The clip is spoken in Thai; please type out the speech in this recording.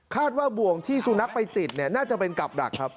ว่าบ่วงที่สุนัขไปติดเนี่ยน่าจะเป็นกลับดักครับ